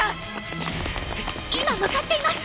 今向かっています！